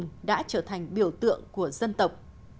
những người đã trở thành biểu tượng của dân tộc